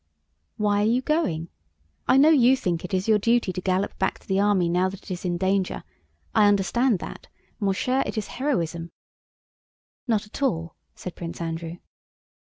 "Why are you going? I know you think it your duty to gallop back to the army now that it is in danger. I understand that. Mon cher, it is heroism!" "Not at all," said Prince Andrew.